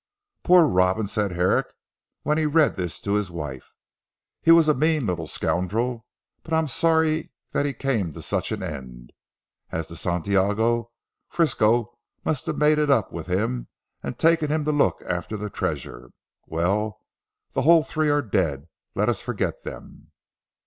"Poor Robin," said Herrick when he read this to his wife, "he was a mean little scoundrel, but I'm sorry that he came to such an end. As to Santiago, Frisco must have made it up with him and taken him to look after the treasure. Well, the whole three are dead. Let us forget them."